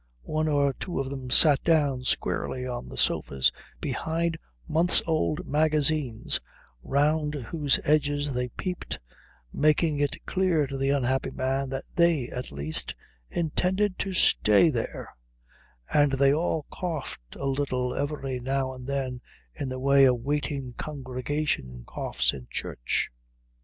One or two of them sat down squarely on the sofas behind months old magazines round whose edges they peeped, making it clear to the unhappy man that they, at least, intended to stay there; and they all coughed a little every now and then in the way a waiting congregation coughs in church.